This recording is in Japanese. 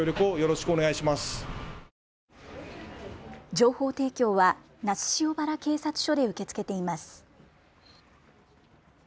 情報提供は那須塩原警察署で受け付けています。